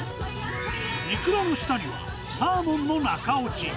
イクラの下には、サーモンの中落ち。